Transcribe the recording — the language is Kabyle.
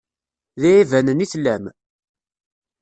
D iɛibanen i tellam?